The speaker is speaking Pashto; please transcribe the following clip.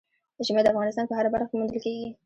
ژمی د افغانستان په هره برخه کې موندل کېږي.